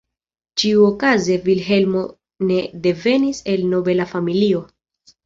Ĉiuokaze Vilhelmo ne devenis el nobela familio.